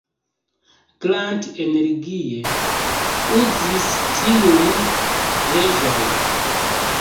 Grant energie uzis tiujn leĝojn.